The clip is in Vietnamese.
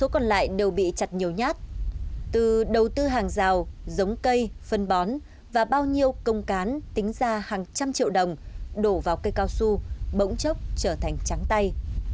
số còn lại đều bị chặt nhiều nhát từ đầu tư hàng rào giống cây phân bón và bao nhiêu công cán tính ra hàng trăm triệu đồng đổ vào cây cao su bỗng chốc trở thành trắng tay